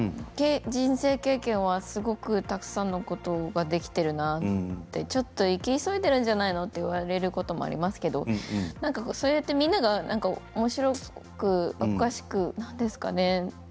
人生経験はすごくたくさんのことができているなと。ちょっと生き急いでるんじゃないの？って言われることもありますけれどそうやってみんながおもしろく、おかしくなんですかね